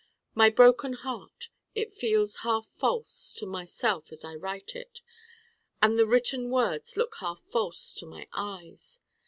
My Broken Heart it feels half false to myself as I write it. And the written words look half false to my eyes.